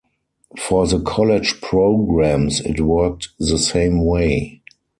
For the college programs, it worked the same way.